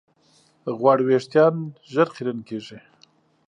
چرب وېښتيان ژر خیرن کېږي.